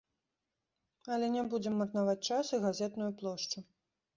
Але не будзем марнаваць час і газетную плошчу.